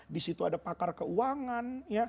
di situ ada pakar keuangan